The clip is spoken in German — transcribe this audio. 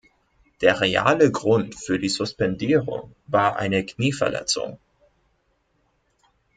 Der reale Grund für die Suspendierung war eine Knieverletzung.